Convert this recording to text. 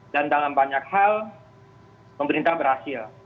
dalam banyak hal pemerintah berhasil